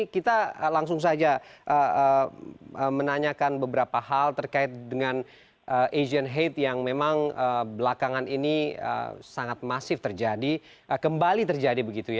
kita langsung saja menanyakan beberapa hal terkait dengan asian hate yang memang belakangan ini sangat masif terjadi kembali terjadi begitu ya